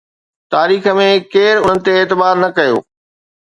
تاريخ ۾ ڪير انهن تي اعتبار نه ڪيو آهي؟